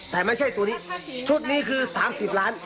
แต่ไม่ใช่ตัวนี้ชุดนี้คือ๓๐ล้าน